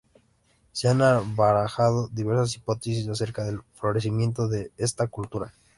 Se han barajado diversas hipótesis acerca del florecimiento de esta cultura.